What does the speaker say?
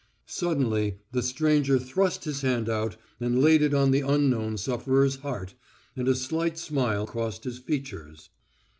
Suddenly the stranger thrust his hand out and laid it on the unknown sufferer's heart, and a slight smile crossed his features.